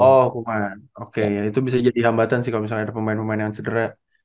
oh oke ya itu bisa jadi hambatan sih kalau misalnya ada pemain pemain yang cedera